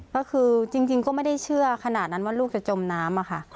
ก็คือจริงก็ไม่ได้เชื่อขนาดนั้นว่าลูกจะจมน้ำอะค่ะ